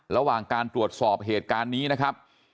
ระหว่างการตรวจสอบเหตุการณ์นี้นะครับ